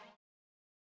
kan lu ghada